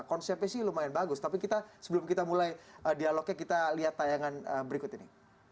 konsepnya sih lumayan bagus tapi kita sebelum kita mulai dialognya kita lihat tayangan berikut ini